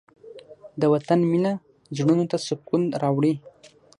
د وطن مینه زړونو ته سکون راوړي.